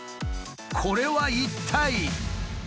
これは一体？